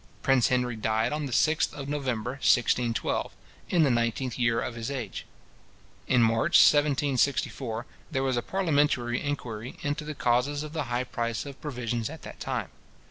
Prince Henry died on the 6th of November 1612, in the nineteenth year of his age. In March 1764, there was a parliamentary inquiry into the causes of the high price of provisions at that time.